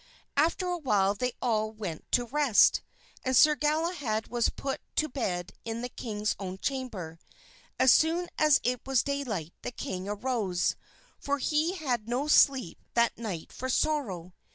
After a while they all went to rest, and Sir Galahad was put to bed in the king's own chamber. As soon as it was daylight the king arose, for he had no sleep that night for sorrow.